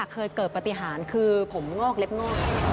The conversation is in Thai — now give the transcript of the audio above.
เคยเกิดปฏิหารคือผมงอกเล็บงอก